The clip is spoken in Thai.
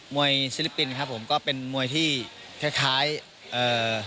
ฟิลิปปินส์ครับผมก็เป็นมวยที่คล้ายคล้ายเอ่อ